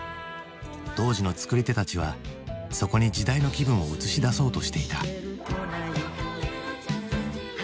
当時の作り手たちはそこに時代の気分を映し出そうとしていた。